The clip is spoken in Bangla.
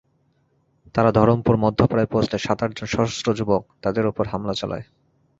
তাঁরা ধরমপুর মধ্যপাড়ায় পৌঁছলে সাত-আটজন সশস্ত্র যুবক তাঁদের ওপর হামলা চালায়।